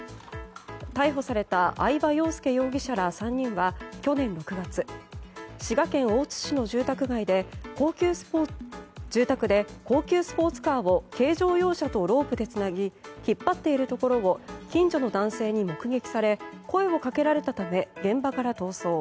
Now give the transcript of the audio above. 逮捕された饗庭庸介容疑者ら３人は去年６月滋賀県大津市の住宅で高級スポーツカーを軽乗用車とロープでつなぎ引っ張っているところを近所の男性に目撃され声をかけられたため現場から逃走。